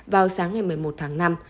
vào sáng ngày một mươi một tháng năm